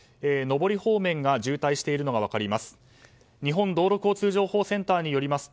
上り方面が渋滞しているのが分かります。